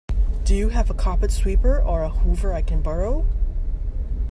Do you have a carpet sweeper or a Hoover I can borrow?